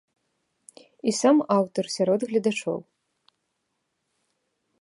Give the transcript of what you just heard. І сам аўтар сярод гледачоў.